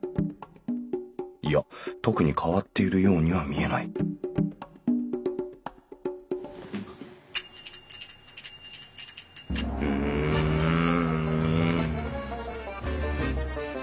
いや特に変わっているようには見えないうんん？